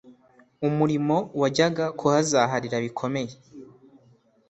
umurimo wajyaga kuhazaharira bikomeye